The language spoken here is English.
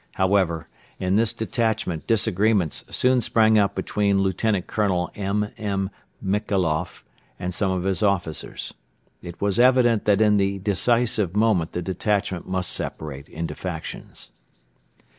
However, in this detachment disagreements soon sprang up between Lieutenant Colonel M. M. Michailoff and some of his officers. It was evident that in the decisive moment the detachment must separate into factions.